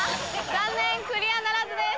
残念クリアならずです。